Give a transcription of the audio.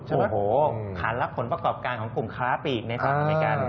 โอ้โหขานรับผลประกอบการของกลุ่มค้าปีกในสหรัฐอเมริกัน